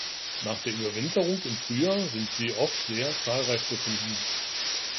Nach der Überwinterung im Frühjahr sind sie oft sehr zahlreich zu finden.